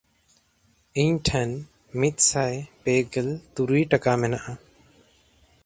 ᱤᱧ ᱴᱷᱮᱱ ᱢᱤᱫᱥᱟᱭ ᱯᱮᱜᱮᱞ ᱛᱩᱨᱩᱭ ᱴᱟᱠᱟ ᱢᱮᱱᱟᱜᱼᱟ᱾